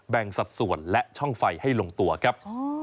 สัดส่วนและช่องไฟให้ลงตัวครับ